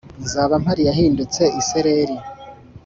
Nzaba mpari yahindutse isereri